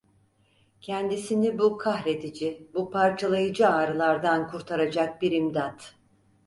Kendisini bu kahredici; bu parçalayıcı ağrılardan kurtaracak bir imdat…